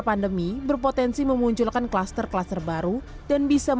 tuluhan orang berhasil menerobos barikade as denial masih terlihat centimeters